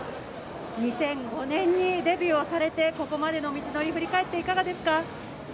２００５年にデビューをされて、ここまでの道のり、振り返っていかがでしょうか？